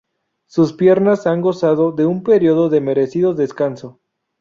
Sus piernas han gozado de un periodo de merecido descanso.